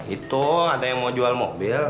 itu ada yang mau jual mobil